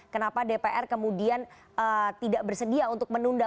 kenapa dpr kemudian tidak bersedia untuk menunda